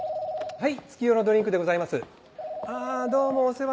はい。